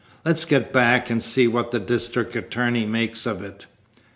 Let's get back and see what the district attorney makes of it."